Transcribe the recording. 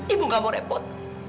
ibu gak mau repot